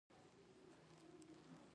په دې کې به څه پټه خبره وي چې موږ نه پوهېږو.